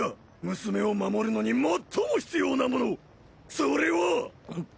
娘を守るのに最も必要なものそれは。